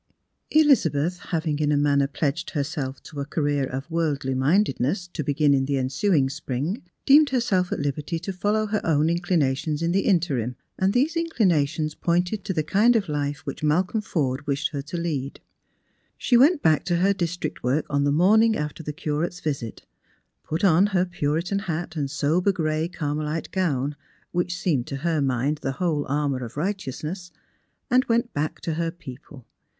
Elizabeth, having in a manner pledged herself to a career of <vorldly mindeduess, to begin in the ensuing spring, deemed herself at uberty to follow her own inchnatious in the interim, and these inclinations pointed to the kind of life which Malcolm Eorde wished her to lead. She went back to her district work on the morning after the Curate's visit ; put on her Puritan hat and sober gray carmelite gown, which seemed to her mind the whole armour of righteousness, and went back to her people.